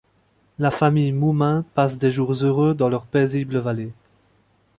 La famille Moomin passe des jours heureux dans leur paisible vallée.